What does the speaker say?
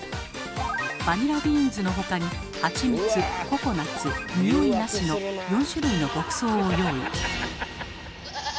バニラビーンズの他に「ハチミツ」「ココナツ」「におい無し」の４種類の牧草を用意。